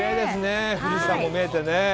富士山が見えて。